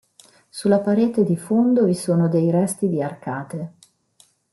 Sulla parete di fondo vi sono dei resti di arcate.